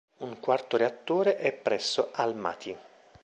Un quarto reattore è presso Almaty.